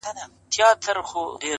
راته شله دی! وای گيتا سره خبرې وکړه!